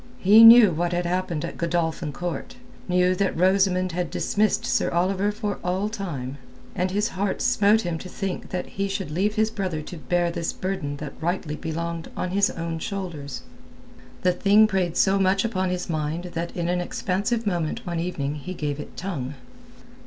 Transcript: He knew what had happened at Godolphin Court, knew that Rosamund had dismissed Sir Oliver for all time, and his heart smote him to think that he should leave his brother to bear this burden that rightly belonged to his own shoulders. The thing preyed so much upon his mind that in an expansive moment one evening he gave it tongue.